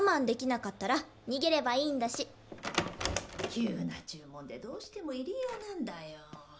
・急な注文でどうしても入り用なんだよ。